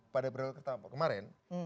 pada berita kemarin